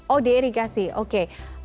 oh diirigasi oke